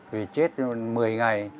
vì chết một mươi ngày